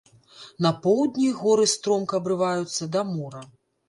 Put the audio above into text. На поўдні горы стромка абрываюцца да мора.